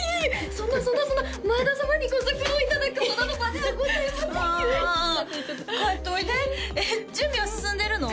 そんなそんなそんな前田様にご足労いただくほどの場ではございませんゆえああああ帰っておいでえっ準備は進んでるの？